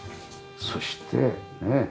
そしてね木。